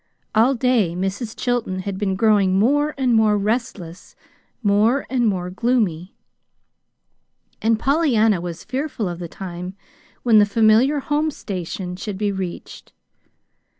All day Mrs. Chilton had been growing more and more restless, more and more gloomy; and Pollyanna was fearful of the time when the familiar home station should be reached.